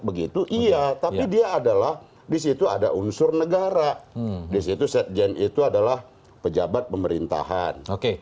begitu iya tapi dia adalah disitu ada unsur negara disitu sekjen itu adalah pejabat pemerintahan